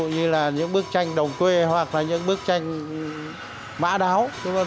như là những bức tranh đồng quê hoặc là những bức tranh mã đáo